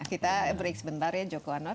kita break sebentar ya joko anwar